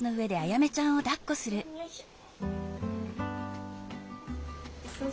よいしょ。